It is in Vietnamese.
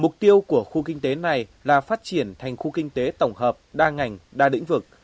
mục tiêu của khu kinh tế này là phát triển thành khu kinh tế tổng hợp đa ngành đa lĩnh vực